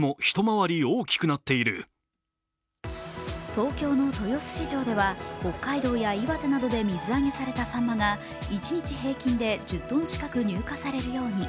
東京の豊洲市場では北海道や岩手などで水揚げされたさんまが一日平均で１０ｔ近く入荷されるように。